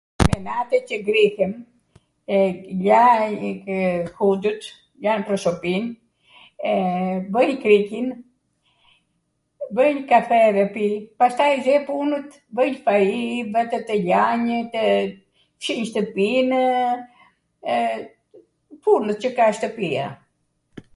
menate qw ngrihem, ljaj hundwt, ljaj prosopin, ee, bwj kriqin, bwnj kafe edhe pi, pastaj ze punwt, bwnj fai, vete tw ljanj, fshinj shtwpinw, punwt qw ka shtwpia.